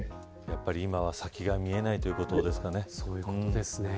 今は先が見えないということですかね。